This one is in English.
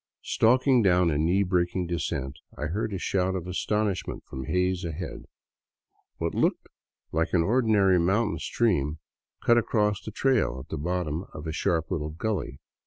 Stalking down a knee breaking descent, I heard a shout of astonish ment from Hays ahead. What looked like an ordinary mountain stream cut across the trail at the bottom of a sharp little gully.